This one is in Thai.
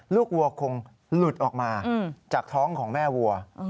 วัวคงหลุดออกมาจากท้องของแม่วัว